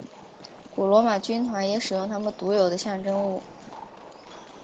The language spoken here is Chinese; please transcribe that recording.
古罗马军团也使用他们独有的象征物。